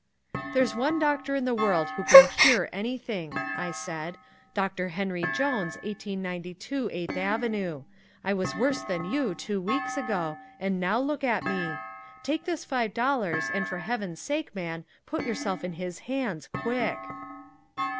"There's one doctor in the world who can cure anything," I said; "Doctor Henry Jones, 1892 Eighth Avenue. I was worse than you two weeks ago, and now look at me! Take this five dollars, and for heaven's sake, man, put yourself in his hands quick."